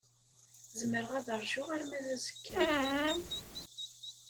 Zemreɣ ad ṛjuɣ arma d azekka.